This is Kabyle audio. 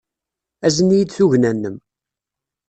Azen-iyi-d tugna-nnem.